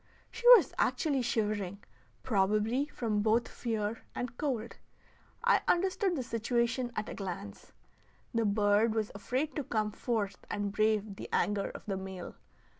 She was actually shivering, probably from both fear and cold. I understood the situation at a glance; the bird was afraid to come forth and brave the anger of the male.